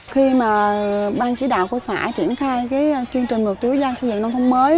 khi mà ban chỉ đạo của xã triển khai cái chương trình mục tiêu dân xây dựng nông thôn mới